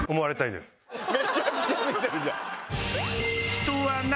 めちゃくちゃ見てるじゃん。